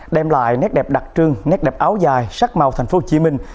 đem lại nét đẹp đặc trưng nét đẹp áo dài sắc màu thành phố hồ chí minh